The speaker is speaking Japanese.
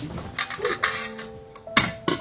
うん。